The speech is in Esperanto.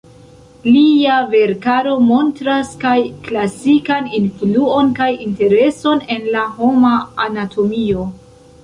Lia verkaro montras kaj klasikan influon kaj intereson en la homa anatomio.